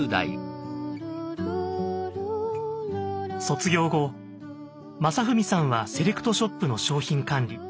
卒業後将史さんはセレクトショップの商品管理